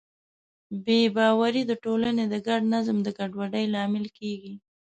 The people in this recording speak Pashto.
بې باورۍ د ټولنې د ګډ نظم د ګډوډۍ لامل کېږي.